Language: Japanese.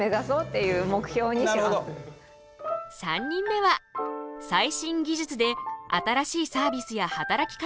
３人目は最新技術で新しいサービスや働き方を生み出す。